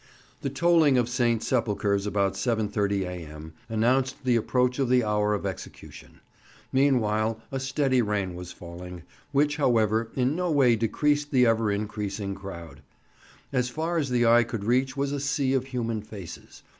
The tolling of St. Sepulchre's about 7.30 A.M. announced the approach of the hour of execution; meanwhile a steady rain was falling, which, however, in no way decreased the ever increasing crowd. As far as the eye could reach was a sea of human faces.